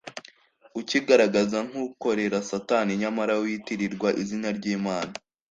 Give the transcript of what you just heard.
ukigaragaza nk’ukorera Satani nyamara witirirwa izina ryÍmana